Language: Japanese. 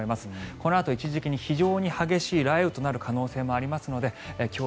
このあと一時的に非常に激しい雷雨となる可能性もありますので今日